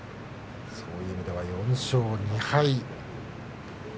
そういう意味では４勝２敗。